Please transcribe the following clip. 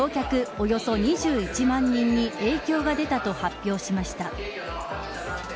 およそ２１万人に影響が出たと発表しました。